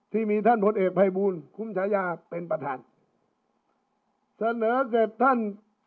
ที่มีท่านพลเอกภัยบูลคุ้มฉายาเป็นประธานเสนอเสร็จท่าน